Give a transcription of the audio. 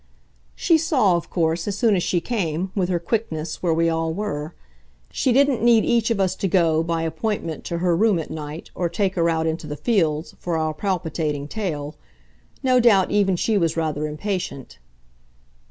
"She saw, of course, as soon as she came, with her quickness, where we all were. She didn't need each of us to go, by appointment, to her room at night, or take her out into the fields, for our palpitating tale. No doubt even she was rather impatient."